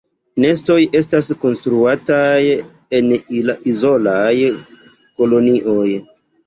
Nestoj estas konstruataj en izolaj kolonioj.